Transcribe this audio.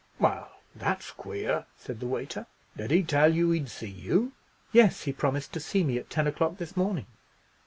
"Well, that's queer," said the waiter; "did he tell you he'd see you?" "Yes, he promised to see me at ten o'clock this morning."